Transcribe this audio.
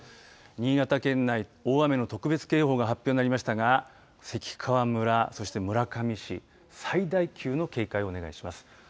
新潟県内、大雨の特別警報が発表になりましたが関川村、そして村上市最大級の警戒をお願いします。